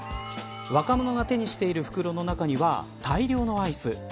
若者が手にしている袋の中には大量のアイス。